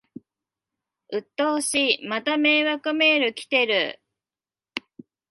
うっとうしい、また迷惑メール来てる